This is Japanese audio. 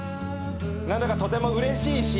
何だかとてもうれしいし。